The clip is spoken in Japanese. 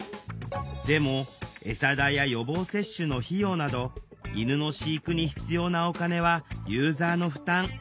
でもえさ代や予防接種の費用など犬の飼育に必要なお金はユーザーの負担。